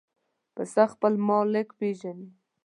پسه خپل مالک پېژني.